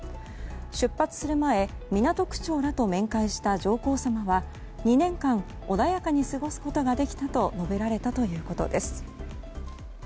出発する前、港区長らと面会した上皇さまは２年間、穏やかに過ごすことができたと述べられたということです。